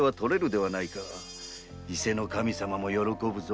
伊勢守様も喜ぶぞ。